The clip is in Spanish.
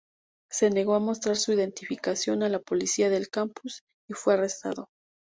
Se negó a mostrar su identificación a la policía del campus y fue arrestado.